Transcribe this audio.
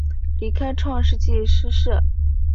离开创世纪诗社。